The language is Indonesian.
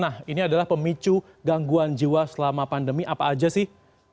nah ini adalah pemicu gangguan jiwa selama pandemi apa aja sih